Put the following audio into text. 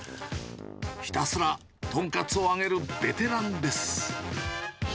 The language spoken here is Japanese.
ひたすらとんかつを揚げるベテランです。